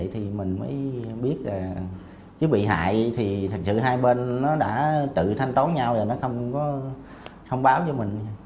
thành sự hai bên đã tự thanh tốn nhau rồi nó không báo cho mình